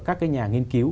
các cái nhà nghiên cứu